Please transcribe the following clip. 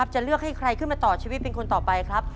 จะเลือกให้ใครขึ้นมาต่อชีวิตเป็นคนต่อไปครับ